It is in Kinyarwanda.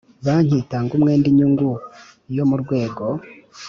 Banki itanga umwenda inyungu yo mu rwego